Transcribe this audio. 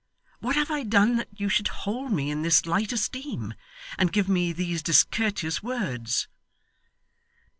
What have I done that you should hold me in this light esteem, and give me these discourteous words?